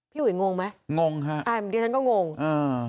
พี่หวยงงไหมงงค่ะอ่าเดี๋ยวฉันก็งงอ่า